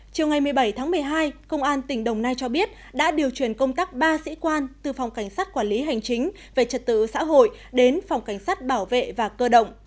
chiều ngày một mươi bảy tháng một mươi hai công an tỉnh đồng nai cho biết đã điều chuyển công tác ba sĩ quan từ phòng cảnh sát quản lý hành chính về trật tự xã hội đến phòng cảnh sát bảo vệ và cơ động